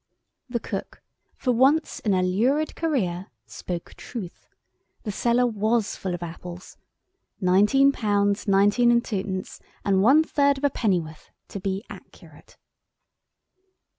The cook, for once in a lurid career, spoke truth. The cellar was full of apples. Nineteen pounds nineteen and twopence and one third of a pennyworth—to be accurate.